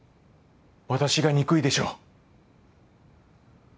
私が憎いでしょう？